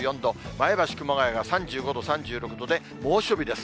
前橋、熊谷が３５度、３６度で、猛暑日です。